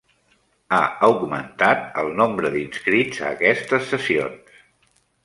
Ha augmentat el nombre d'inscrits a aquestes sessions